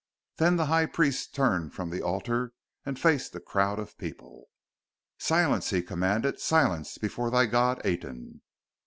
Then the High Priest turned from the altar and faced the crowd of people. "Silence!" he commanded. "Silence, before thy God Aten!"